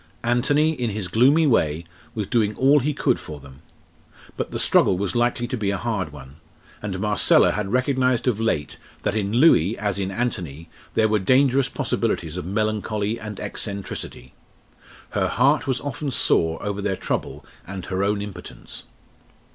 Anthony, in his gloomy way, was doing all he could for them. But the struggle was likely to be a hard one, and Marcella had recognised of late that in Louis as in Anthony there were dangerous possibilities of melancholy and eccentricity. Her heart was often sore over their trouble and her own impotence.